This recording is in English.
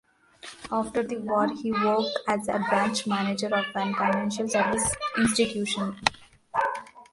After the war, he worked as the branch manager of a financial services institution.